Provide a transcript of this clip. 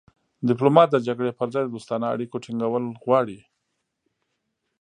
ډیپلومات د جګړې پر ځای د دوستانه اړیکو ټینګول غواړي